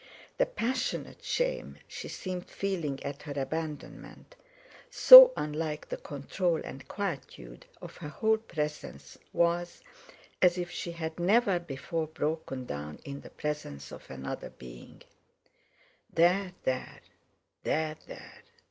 The passionate shame she seemed feeling at her abandonment, so unlike the control and quietude of her whole presence was as if she had never before broken down in the presence of another being. "There, there—there, there!"